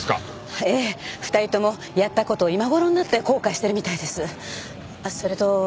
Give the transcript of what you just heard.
ええ２人ともやった事を今頃になって後悔しているみたいです。